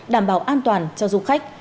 đảm bảo an toàn cho du khách